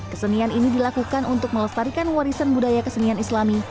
kesenian ini dilakukan untuk melestarikan warisan budaya kesenian islami